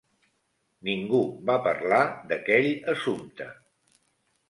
Ningú va parlar d'aquell assumpte.